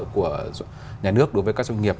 của nhà nước đối với các doanh nghiệp